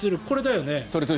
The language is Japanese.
これだよね。